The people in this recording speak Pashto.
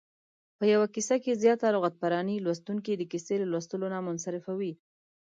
په یوه کیسه کې زیاته لغت پراني لوستونکی د کیسې له لوستلو نه منصرفوي.